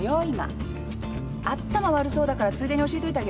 あったま悪そうだからついでに教えといてあげるね。